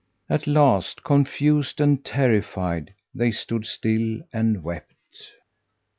At last, confused and terrified, they stood still and wept.